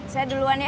saya duluan ya